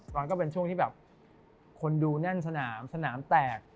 มันก็เป็นช่วงที่แบบคนดูแน่นสนามสนามแตก